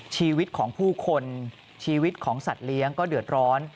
ชีวิตของผู้คนชีวิตของสัตว์เลี้ยงก็เดือดร้อน